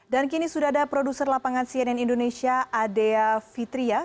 dan kini sudah ada produser lapangan cnn indonesia adea fitria